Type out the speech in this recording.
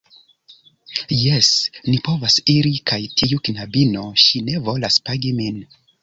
Jes, ni povas iri. Kaj tiu knabino, ŝi ne volas pagi min.